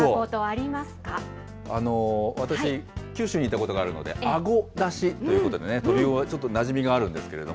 私、九州にいたことがあるので、あごだしということで、とびうおちょっとなじみがあるんですけど。